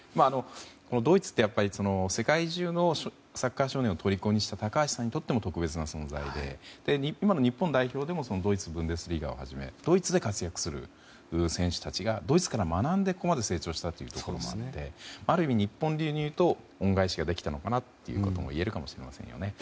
ドイツって、やっぱり世界中のサッカー少年を虜にした高橋さんにとっても特別な存在で今の日本代表でもドイツ、ブンデスリーガをはじめドイツで活躍する選手たちがドイツから学んでここまで成長したということなのである意味、日本流にいうと恩返しができたと言えるかもしれないですね。